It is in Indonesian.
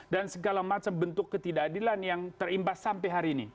dan segala macam bentuk ketidakadilan yang terimbas sampai hari ini